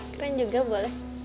keren juga boleh